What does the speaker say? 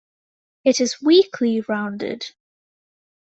It is weakly rounded.